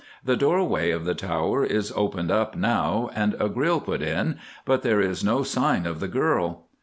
The doorway of the tower is opened up now, and a grill put in, but there is no sign of the girl.